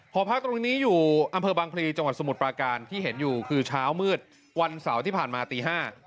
หอพักตรงนี้อยู่อำเภอบางพลีจังหวัดสมุทรปราการที่เห็นอยู่คือเช้ามืดวันเสาร์ที่ผ่านมาตี๕